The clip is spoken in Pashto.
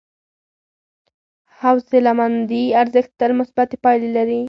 د حوصلهمندي ارزښت تل مثبتې پایلې لري.